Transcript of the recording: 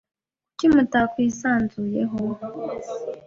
Kuki mutakwisanzuyeho?